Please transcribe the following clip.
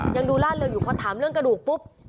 ยังดูล่าเริงอยู่พอถามเรื่องกระดูกปุ๊บ